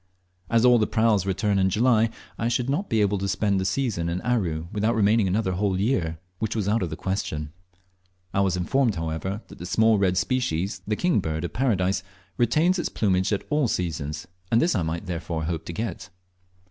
As all the praus return in July, I should not be able to spend that season in Aru without remaining another whole year, which was out of the question. I was informed, however, that the small red species, the "King Bird of Paradise," retains its plumage at all seasons, and this I might therefore hope to get.